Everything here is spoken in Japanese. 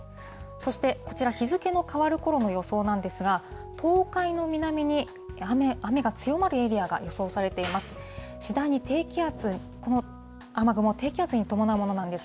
そして、こちら、日付の変わるころの予想なんですが、東海の南に雨の強まるエリアが予想されています。